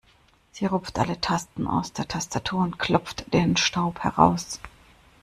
Sie rupft alle Tasten aus der Tastatur und klopft den Staub heraus.